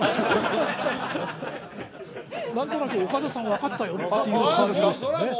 何となく岡田さん分かったよっていう感じですよねああ